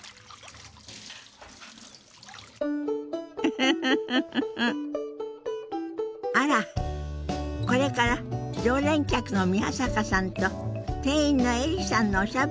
フフフフフあらこれから常連客の宮坂さんと店員のエリさんのおしゃべりが始まりそうね。